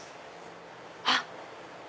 あっ！